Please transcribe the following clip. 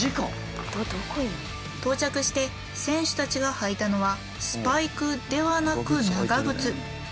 到着して選手たちが履いたのはスパイクではなく長ぐつ。